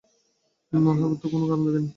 না হইবার তো কোনো কারণ দেখি না।